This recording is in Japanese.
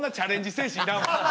精神いらんわ。